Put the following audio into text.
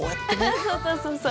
そうそうそうそう。